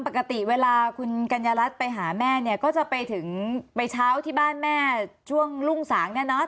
ปกติเวลาคุณกัญญารัฐไปหาแม่เนี่ยก็จะไปถึงไปเช้าที่บ้านแม่ช่วงรุ่งสางเนี่ยเนอะ